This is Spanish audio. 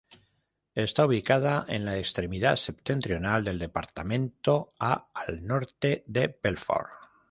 Está ubicada en la extremidad septentrional del departamento, a al norte de Belfort.